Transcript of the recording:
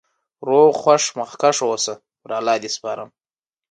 روغ خوښ مخکښ اوسی.پر الله د سپارم